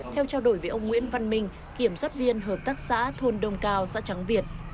theo trao đổi với ông nguyễn văn minh kiểm soát viên hợp tác xã thôn đông cao xã trắng việt